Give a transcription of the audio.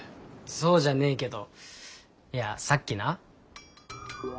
そうじゃねえけどいやさっきな。